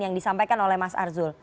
yang disampaikan oleh mas arzul